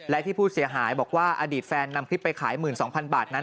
และที่ผู้เสียหายบอกว่าอดีตแฟนนำคลิปไปขาย๑๒๐๐๐บาทนั้น